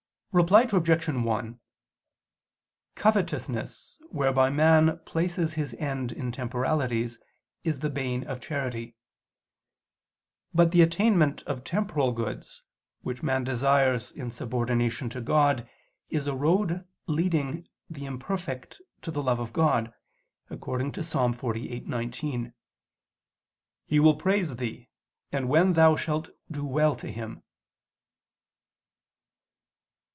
Reply Obj. 1: Covetousness whereby man places his end in temporalities, is the bane of charity. But the attainment of temporal goods which man desires in subordination to God is a road leading the imperfect to the love of God, according to Ps. 48:19: "He will praise Thee, when Thou shalt do well to him."